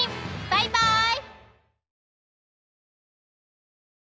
バイバイ！